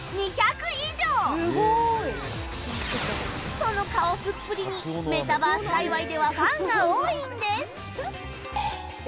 そのカオスっぷりにメタバース界隈ではファンが多いんです